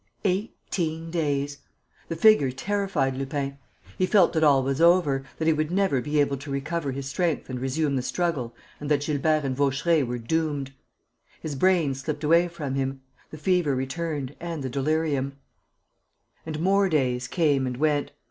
Eighteen days! The figure terrified Lupin. He felt that all was over, that he would never be able to recover his strength and resume the struggle and that Gilbert and Vaucheray were doomed.... His brain slipped away from him. The fever returned and the delirium. And more days came and went.